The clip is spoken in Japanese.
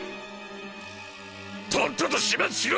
とっとと始末しろ！